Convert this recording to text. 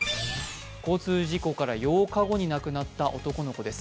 交通事故から８日後に亡くなった男の子です。